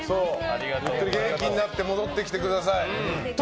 元気になって戻ってきてください。